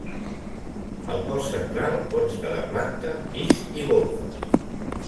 El cos central consta de planta, pis i golfes.